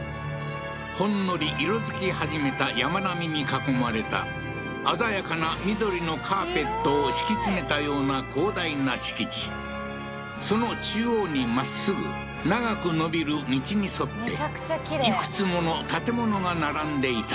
ほんのり色づき始めた山並みに囲まれた鮮やかな緑のカーペットを敷き詰めたような広大な敷地その中央にまっすぐ長く伸びる道に沿っていくつもの建物が並んでいた